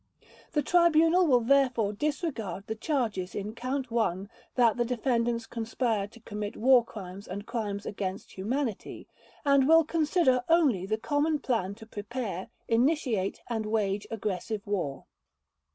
The Tribunal will therefore disregard the charges in Count One that the defendants conspired to commit War Crimes and Crimes against Humanity, and will consider only the common plan to prepare, initiate, and wage aggressive war.